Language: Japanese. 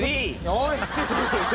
おい！